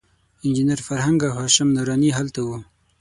انجینر فرهنګ او هاشم نوراني هلته وو.